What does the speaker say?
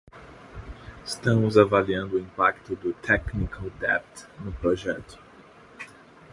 Estamos avaliando o impacto do technical debt no projeto.